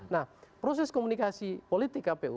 nah proses komunikasi politik kpu